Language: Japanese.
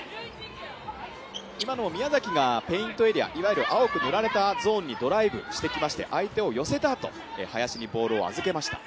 今の宮崎がペイントエリア青く塗られたゾーンにドライブしてきまして相手を寄せたあと林にボールを預けました。